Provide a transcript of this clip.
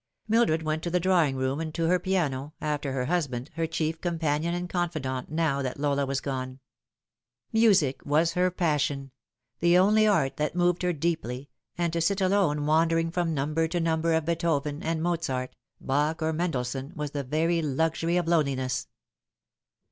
Mildred went to the drawing room and to her piano, after her husband, her chief companion and confidant now that Lola was gone. Music was her passion the only art that moved her deeply, and to sit alone wandering from number to number of Beethoven and Mozart, Bach or Mendelssohn, was the very luxury of loneliness.